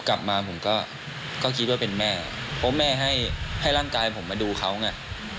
กลับมาผมก็คิดว่าเป็นแม่เพราะแม่ให้ร่างกายผมมาดูเขาไง